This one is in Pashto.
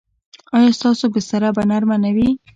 ایا ستاسو بستره به نرمه نه وي؟